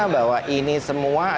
bahwa ini semua adalah